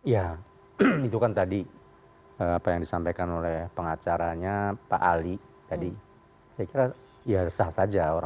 hai ya itu kan tadi apa yang disampaikan oleh pengacaranya pak ali tadi ya sahah saja orang